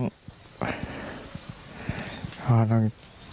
ตื่นเช้ามาจะโดนเรื่องอะไร